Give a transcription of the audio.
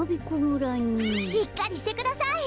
しっかりしてください！